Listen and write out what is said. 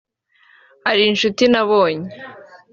Hari inshuti nabonye